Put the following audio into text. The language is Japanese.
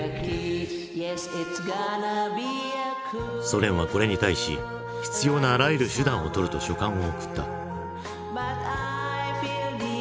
ソ連はこれに対し「必要なあらゆる手段をとる」と書簡を送った。